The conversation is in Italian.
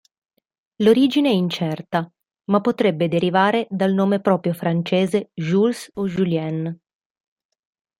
L'origine è incerta, ma potrebbe derivare dal nome proprio francese Jules o Julien.